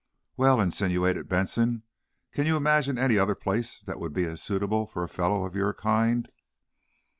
"Well," insinuated Benson, "can you imagine any other place that would be as suitable for a fellow of your kind?"